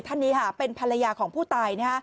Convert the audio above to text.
ท่านนี้ค่ะเป็นภรรยาของผู้ตาย